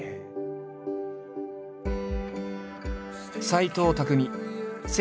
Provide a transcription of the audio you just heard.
斎藤工